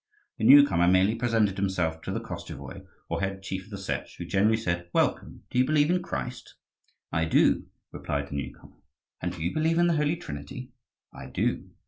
The new comer merely presented himself to the Koschevoi, or head chief of the Setch, who generally said, "Welcome! Do you believe in Christ?" "I do," replied the new comer. "And do you believe in the Holy Trinity?" "I do."